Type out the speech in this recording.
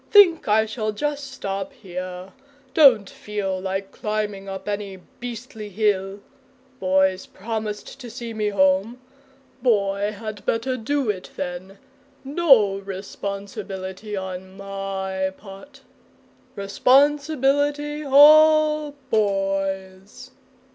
Think I shall just stop here. Don't feel like climbing up any beastly hill. Boy's promised to see me home. Boy had better do it then! No responsibility on my part. Responsibility all Boy's!"